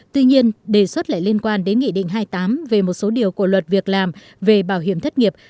tuy nhiên đề xuất lại liên quan đến nghị định hai mươi tám về một số điều của luật việc làm về bảo hiểm thất nghiệp